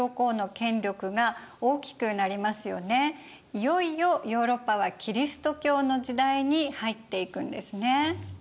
いよいよヨーロッパはキリスト教の時代に入っていくんですね。